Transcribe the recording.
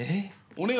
お願い